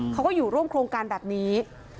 เขาก็อยู่ร่วมโครงการแบบนี้